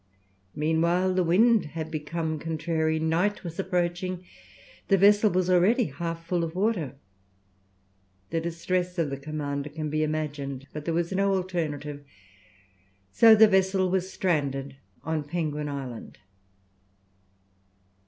Meanwhile the wind had become contrary, night was approaching, the vessel was already half full of water. The distress of the commander can be imagined. But there was no alternative, so the vessel was stranded on Penguin Island.